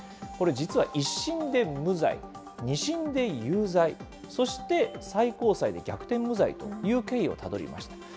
これ、実は１審で無罪、２審で有罪、そして最高裁で逆転無罪という経緯をたどりました。